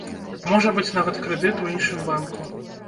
Можа быць нават крэдыт у іншым банку.